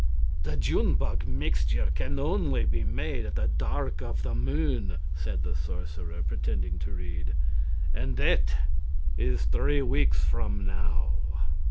The June bug mixture can only be made at the dark o' the moon," said the sorcerer, pretending to read, "and that is three weeks from now."